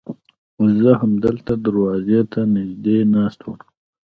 زه همدلته دروازې ته نږدې ناست وم.